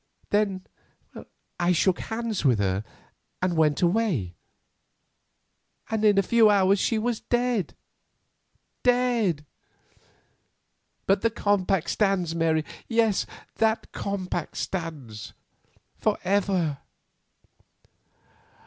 Then I shook hands with her and went away, and in a few hours she was dead—dead. But the compact stands, Mary; yes, that compact stands for ever."